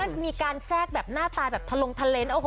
แล้วก็มีการแซกแบบหน้าตายแบบทรนด์ทะเลนส์